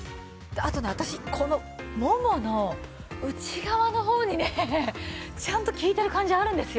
あとね私このももの内側の方にねちゃんと効いてる感じあるんですよ。